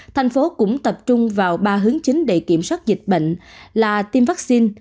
thành phố cũng tập trung vào ba hướng chính để kiểm soát dịch bệnh là tiêm vaccine